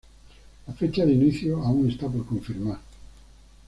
La fecha de inicio aún está por confirmar.